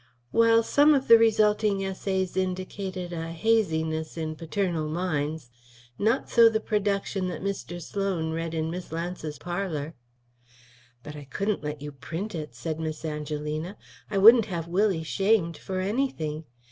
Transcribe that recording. While some of the resulting essays indicated a haziness in paternal minds, not so the production that Mr. Sloan read in Miss Lance's parlour. "But I couldn't let you print it," said Miss Angelina. "I wouldn't have Willie shamed for anything.